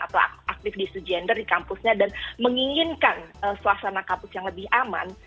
atau aktif di stu gender di kampusnya dan menginginkan suasana kampus yang lebih aman